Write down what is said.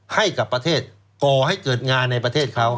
ให้กับประเทศก่อให้เกิดงานในประเทศเขา